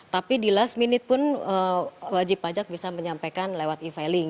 tapi di last minute pun wajib pajak bisa menyampaikan lewat e filing